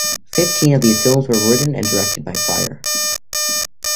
Fifteen of these films were written and directed by Prior.